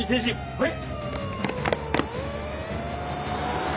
はい！